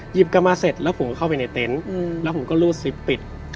กลับมาเสร็จแล้วผมก็เข้าไปในเต็นต์แล้วผมก็รูดซิปปิด